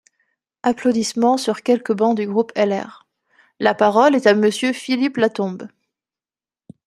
(Applaudissements sur quelques bancs du groupe LR.) La parole est à Monsieur Philippe Latombe.